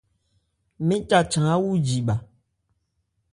Mɛn ca chan áwúji bha.